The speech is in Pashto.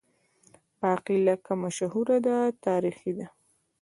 باقي لکه مشهوره ده تاریخ دی